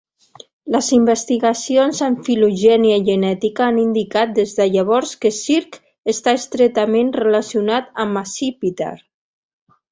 Les investigacions en filogenia genètica han indicat des de llavors que "Circ" està estretament relacionat amb "Accipiter".